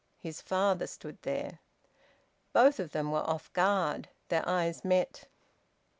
His father stood there. Both of them were off guard. Their eyes met.